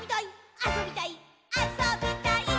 あそびたいっ！！」